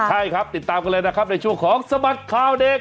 ใช่ครับติดตามกันเลยนะครับในช่วงของสบัดข่าวเด็ก